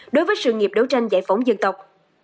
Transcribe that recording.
đối với sự nghiệp đấu tranh giải phóng dân tộc